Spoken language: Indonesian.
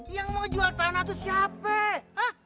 yang mau jual tanah itu siapa